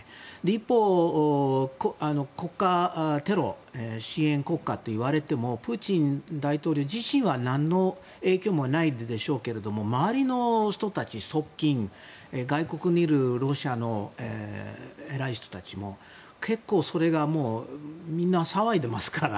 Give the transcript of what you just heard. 一方、テロ支援国家と言われてもプーチン大統領自身はなんの影響もないでしょうけど周りの人たち、側近外国にいるロシアの偉い人たちも結構、みんな騒いでますから。